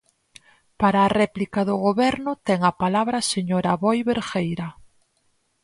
Para a réplica do Goberno ten a palabra a señora Aboi Bergueira.